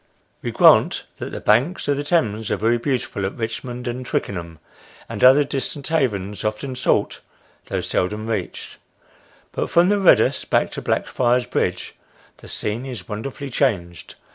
We grant that the banks of the Thames are very beautiful at Rich mond and Twickenham, and other distant havens, often sought though seldom reached ; but from the " Ked us " back to Blackfriars Bridge, the scene is wonderfully changed.